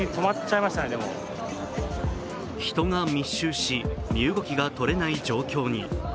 人が密集し身動きが取れない状況に。